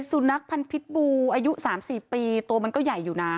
สุนัขพันธ์พิษบูอายุ๓๔ปีตัวมันก็ใหญ่อยู่นะ